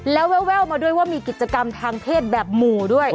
แล้วแววมาด้วยว่ามีกิจกรรมทางเพศแบบหมู่ด้วย